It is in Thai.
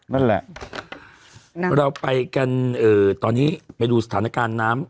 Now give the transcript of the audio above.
นั่นแหละเราไปกันตอนนี้ไปดูสถานการณ์น้ำ